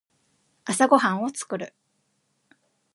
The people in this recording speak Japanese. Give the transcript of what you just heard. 朝ごはんを作る。